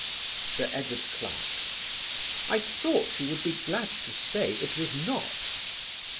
Sir Edward Clarke: "I thought you would be glad to say it was not."